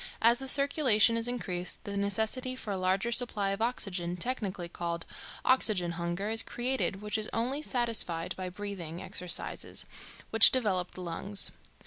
As the circulation is increased the necessity for a larger supply of oxygen, technically called "oxygen hunger," is created, which is only satisfied by breathing exercises, which develop the lungs.